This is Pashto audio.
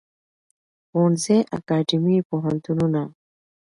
ښوونځی اکاډیمی پوهنتونونه